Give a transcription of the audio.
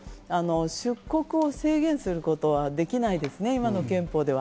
出国制限することはできないですね、今の憲法では。